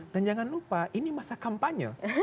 dan jangan lupa ini masa kampanye